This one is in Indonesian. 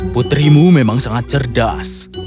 putrimu memang sangat cerdas